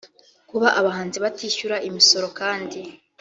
Kuba abahanzi batishyura imisoro kandi